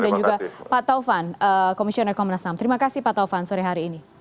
dan juga pak taufan komisioner komnas ham terima kasih pak taufan sore hari ini